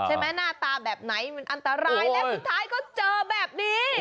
หน้าตาแบบไหนมันอันตรายและสุดท้ายก็เจอแบบนี้